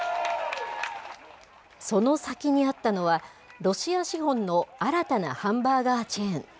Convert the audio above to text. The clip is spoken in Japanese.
その先にあったのは、ロシア資本の新たなハンバーガーチェーン。